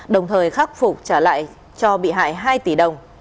đồng thời khắc phục trả lại cho bị hại hai tỷ đồng